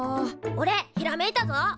おれひらめいたぞ。